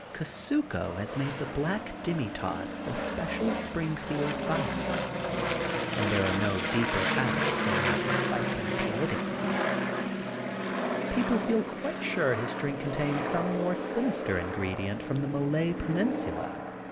Ku THE GOLDEN BOOK OF SPRINGFIELD Ul susko has made the black demi tasse the spe cial Springfield vice and there are no deeper addicts than those who fight him politically^. People feel quite sure his drink contains some more sinister ingredient from the Malay peninsula.